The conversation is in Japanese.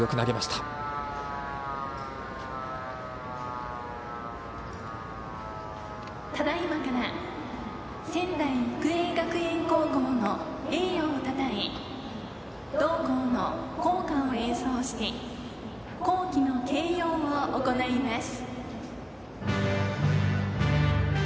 ただいまから仙台育英学園高校の栄誉をたたえ、同校の校歌を演奏して校旗の掲揚を行います。